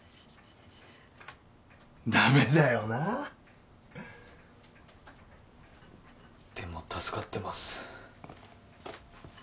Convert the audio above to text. ダメだよなでも助かってます